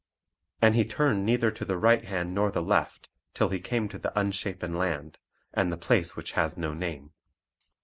And he turned neither to the right hand nor the left, till he came to the Unshapen Land, and the place which has no name.